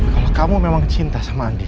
kalau kamu memang cinta sama andi